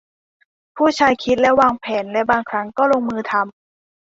ผู้ชายคิดและวางแผนและบางครั้งก็ลงมือทำ